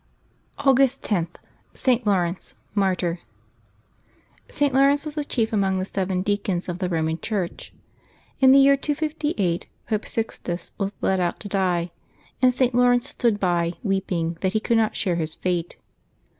August 10.— ST. LAURENCE, Martyr. [t. Laurence was the chief among the seven deacons of the Eoman Church. In the year 258 Pope Sixtus was led out to die, and St. Laurence stood by, weeping that he could not share his fate.